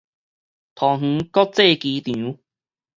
桃園國際機場